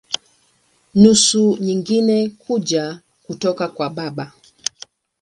Nusu nyingine kuja kutoka kwa baba.